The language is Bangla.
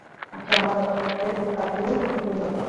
আচ্ছা, আমার মতে ওর কাঁধগুলো সুন্দর।